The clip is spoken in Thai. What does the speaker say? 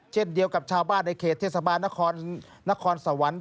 เช่นเดียวกับชาวบ้านในเขตเทศบาลนครนครสวรรค์